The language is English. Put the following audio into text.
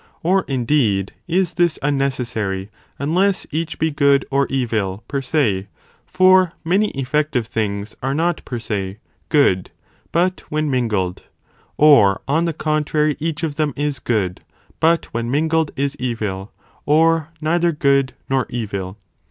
Or indeed is this unnecessary, unless each be good or evil, per se, for many effective things are not per se, good, but when mingled ; or on the contrary each of them is good, but when mingled is evil, or neither (good nor evil).